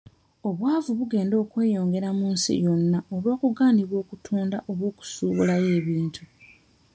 Obwavu bugenda kweyongera mu nsi zonna olw'okugaanibwa okutunda oba okusuubulayo ebintu.